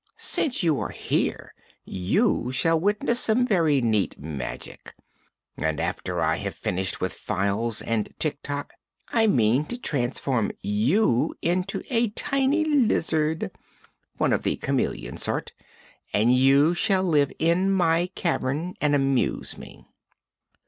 Since you are here, you shall witness some very neat magic, and after I have finished with Files and Tik Tok I mean to transform you into a tiny lizard one of the chameleon sort and you shall live in my cavern and amuse me."